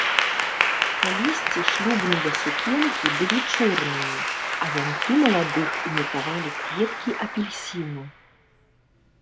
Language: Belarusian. Калісьці шлюбныя сукенкі былі чорнымі, а вянкі маладых імітавалі кветкі апельсіну.